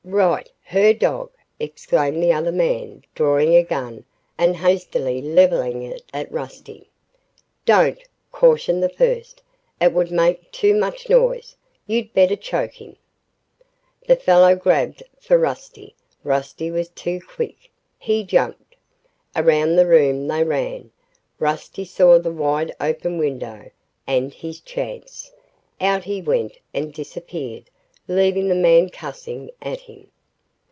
"Right her dog," exclaimed the other man, drawing a gun and hastily levelling it at Rusty. "Don't!" cautioned the first. "It would make too much noise. You'd better choke him!" The fellow grabbed for Rusty. Rusty was too quick. He jumped. Around the room they ran. Rusty saw the wide open window and his chance. Out he went and disappeared, leaving the man cussing at him.